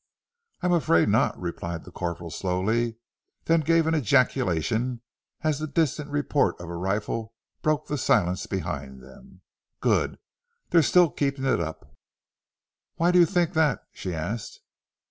"I am afraid not," replied the corporal slowly, then gave an ejaculation as the distant report of a rifle broke the silence behind them. "Good! They're still keeping it up." "Why do you think that?" she asked.